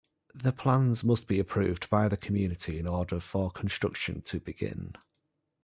The plans must be approved by the community in order for construction to begin.